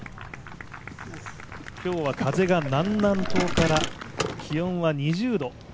今日は風が南南東から気温は２０度。